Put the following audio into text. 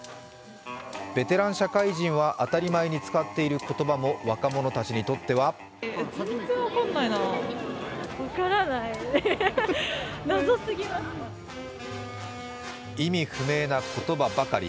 ベテラン社会人は当たり前に使っている言葉も、若者たちにとっては意味不明な言葉ばかり。